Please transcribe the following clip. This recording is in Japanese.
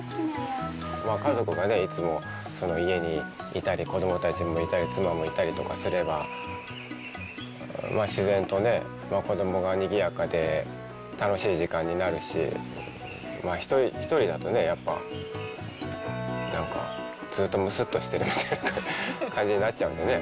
家族がね、いつも家にいたり、子どもたちもいたり、妻もいたりとかすれば、自然とね、子どもがにぎやかで、楽しい時間になるし、１人だとね、やっぱ、なんか、ずっとむすっとしてるみたいな感じになっちゃうんでね。